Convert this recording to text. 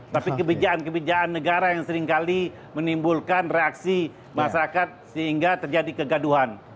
tapi kebijakan kebijakan negara yang seringkali menimbulkan reaksi masyarakat sehingga terjadi kegaduhan